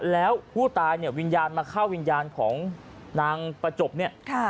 แล้วผู้ตายเนี่ยวิญญาณมาเข้าวิญญาณของนางประจบเนี่ย